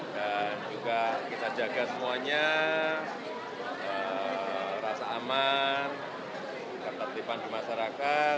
dan juga kita jaga semuanya rasa aman dan tertipan di masyarakat